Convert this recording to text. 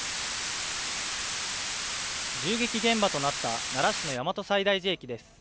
銃撃現場となった奈良市の大和西大寺駅です。